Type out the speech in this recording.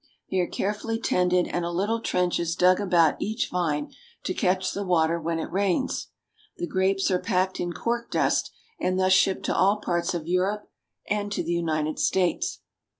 They are carefully tended, and a little trench is dug about each vine to catch the water when it rains. The grapes are packed in cork dust, and thus shipped to all parts of Europe and to the United States.